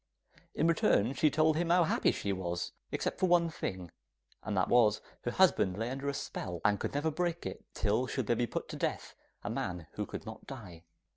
In return, she told him how happy she was, except for one thing, and that was, her husband lay under a spell, and could never break it till there should be put to death a man who could not die.